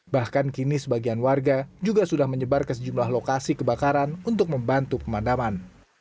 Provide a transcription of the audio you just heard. bahkan kini sebagian warga juga sudah menyebar ke sejumlah lokasi kebakaran untuk membantu pemadaman